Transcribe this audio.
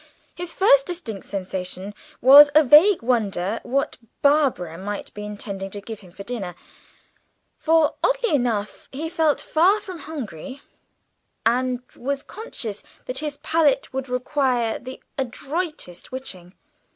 His first distinct sensation was a vague wonder what Barbara might be intending to give him for dinner, for, oddly enough, he felt far from hungry, and was conscious that his palate would require the adroitest witching.